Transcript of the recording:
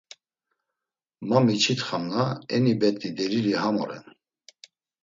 Ma miç̌itxam na, eni bet̆i delili ham oren.